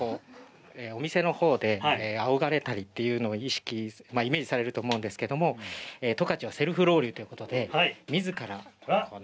お店の方であおがれたりということをイメージされると思うんですけれど十勝はセルフロウリュということで、みずからこの。